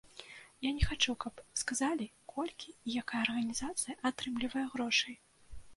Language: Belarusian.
Я не хачу, каб сказалі, колькі і якая арганізацыя атрымлівае грошай.